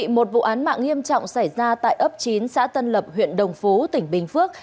một vụ án mạng nghiêm trọng xảy ra tại ấp chín xã tân lập huyện đồng phú tỉnh bình phước